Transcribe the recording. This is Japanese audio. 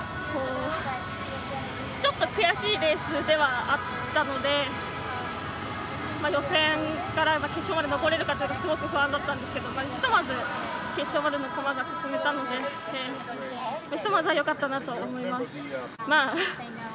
ちょっと悔しいレースではあったので予選から決勝まで残れるのかがすごく不安だったんですけどひとまず決勝まで駒が進めたのでひとまずはよかったなと思います。